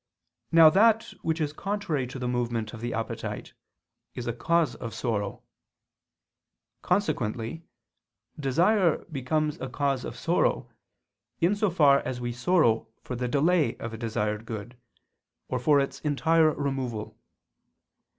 Now that which is contrary to the movement of the appetite, is a cause of sorrow. Consequently, desire becomes a cause of sorrow, in so far as we sorrow for the delay of a desired good, or for its entire removal.